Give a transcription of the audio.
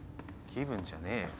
気分じゃねえよ。